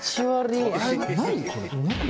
何これ！